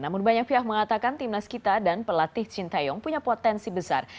namun banyak pihak mengatakan timnas kita dan pelatih sintayong punya potensi besar